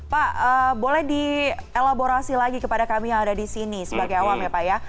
pak boleh dielaborasi lagi kepada kami yang ada di sini sebagai awam ya pak ya